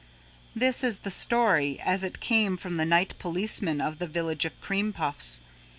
This is the story as it came from the night policeman of the Village of Cream Puffs.